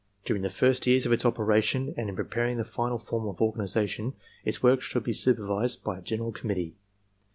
During the first years of its operation and in preparing the final form of organization, its work should be supervised by a general committee.